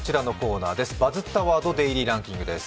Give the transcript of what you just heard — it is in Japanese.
「バズったワードデイリーランキング」です。